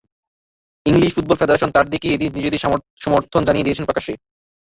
English football federation তাঁর দিকেই এদিন নিজেদের সমর্থন জানিয়ে দিয়েছে প্রকাশ্যে।